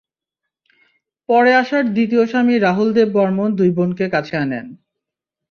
পরে আশার দ্বিতীয় স্বামী রাহুল দেব বর্মণ দুই বোনকে কাছে আনেন।